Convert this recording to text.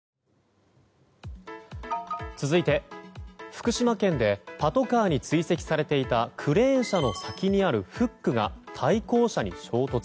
続いて、福島県でパトカーに追跡されていたクレーン車の先にあるフックが対向車に衝突。